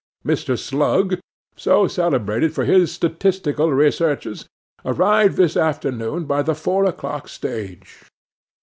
'Mr. Slug, so celebrated for his statistical researches, arrived this afternoon by the four o'clock stage.